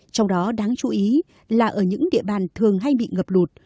trong đó đáng chú ý là ở những địa bàn thường hay bị ngập lụt